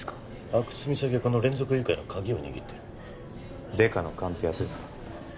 阿久津実咲はこの連続誘拐の鍵を握ってる・デカの勘ってやつですか？